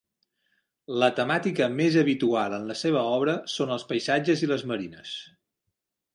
La temàtica més habitual en la seva obra són els paisatges i les marines.